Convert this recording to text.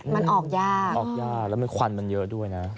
มันออกยากออกยากแล้วมันควันมันเยอะด้วยนะ